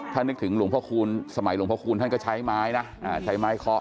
ถ้านึกถึงหลวงพ่อคูณสมัยหลวงพระคูณท่านก็ใช้ไม้นะใช้ไม้เคาะ